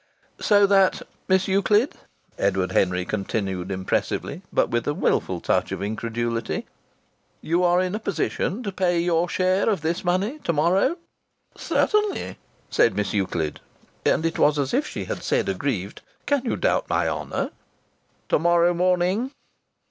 "So that, Miss Euclid," Edward Henry continued impressively, but with a wilful touch of incredulity, "you are in a position to pay your share of this money to morrow?" "Certainly!" said Miss Euclid. And it was as if she had said, aggrieved: "Can you doubt my honour?" "To morrow morning?"